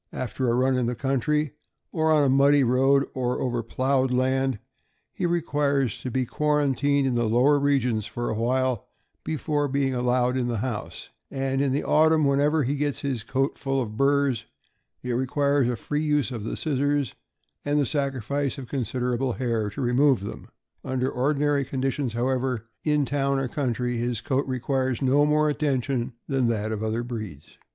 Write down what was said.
After a run in the country, on a muddy road, or over plowed land, he requires to be quar antined in the lower regions for awhile before being allowed in the house; and in the autumn, whenever he gets his coat full of burs, it requires a free use of the scissors and the sacrifice of considerable hair to remove them. Under ordi nary conditions, however, in town or countryr his coat requires no more attention than that of other breeds.